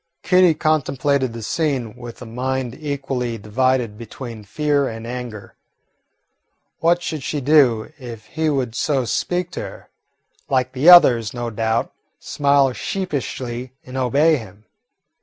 Kitty contemplated the scene with a mind equally divided between fear and anger. What should she do if he should so speak to her? Like the others, no doubt, smile sheepishly and obey him.